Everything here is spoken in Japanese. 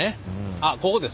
あっここです